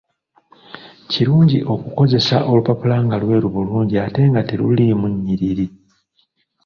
Kirungi okukozesa olupapula nga lweru bulungi ate nga teluliimu nnyiriri.